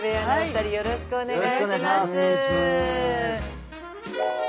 よろしくお願いします。